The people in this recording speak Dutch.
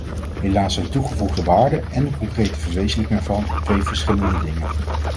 Helaas zijn toegevoegde waarde en de concrete verwezenlijking ervan twee verschillende dingen.